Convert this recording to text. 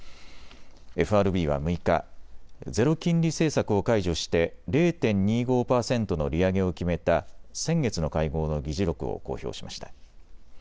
ＦＲＢは６日、ゼロ金利政策を解除して０．２５％の利上げを決めた先月の会合の議事録を公表しました。